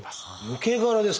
抜け殻ですか？